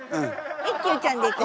一休ちゃんでいこうか。